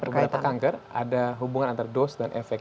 pada beberapa kanker ada hubungan antar dos dan efek